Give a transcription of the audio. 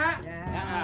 oh ini ntar aja